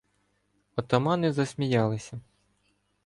Отамани засміялися.